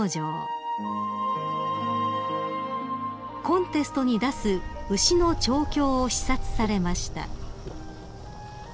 ［コンテストに出す牛の調教を視察されました］